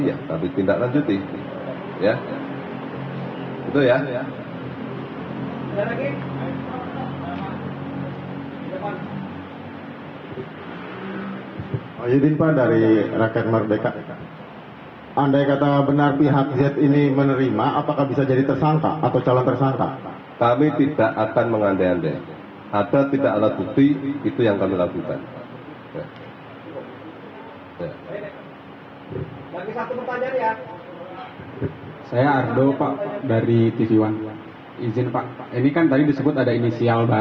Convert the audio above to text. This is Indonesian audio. ya tapi tindak lanjuti